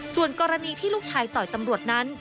ส่วนกรณีที่ลูกชายต่อยตำรวจนั้น